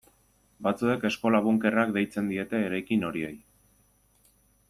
Batzuek eskola-bunkerrak deitzen diete eraikin horiei.